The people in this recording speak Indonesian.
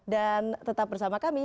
dan tetap bersama kami